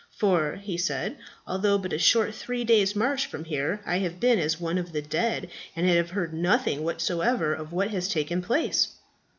"For," he said, "although but a short three days' march from here, I have been as one of the dead, and have heard nothing whatever of what has taken place."